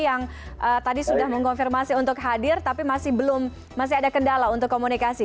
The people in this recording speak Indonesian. yang tadi sudah mengonfirmasi untuk hadir tapi masih belum masih ada kendala untuk komunikasi